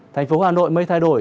thành phố hà nội mây thay đổi